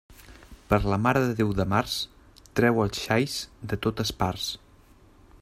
Per la Mare de Déu de març, trau els xais de totes parts.